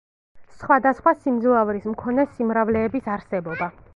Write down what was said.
სხვადასხვა სიმძლავრის მქონე სიმრავლეების არსებობა.